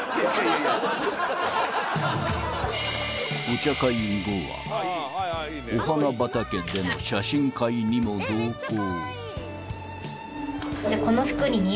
［お茶会後はお花畑での写真会にも同行］